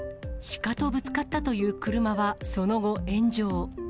鹿とぶつかったという車はその後、炎上。